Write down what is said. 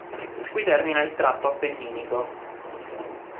Qui termina il tratto appenninico.